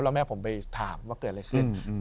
แล้วแม่ผมไปถามว่าเกิดอะไรขึ้น